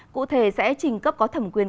cụ thể sẽ trình cấp có thẩm quyền